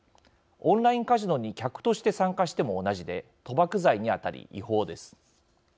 オンラインカジノに客として参加しても同じで賭博罪に当たり、違法です。